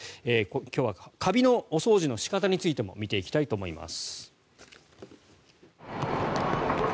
今日はカビのお掃除の仕方についても見ていきたいと思います。